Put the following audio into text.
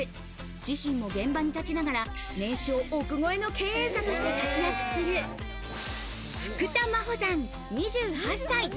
自身も現場に立ちながら、年商億超えの経営者として活躍する福田真帆さん、２８歳。